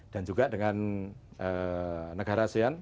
dan juga dengan negara asean